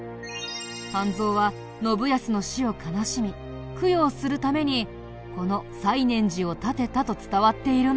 半蔵は信康の死を悲しみ供養するためにこの西念寺を建てたと伝わっているんだ。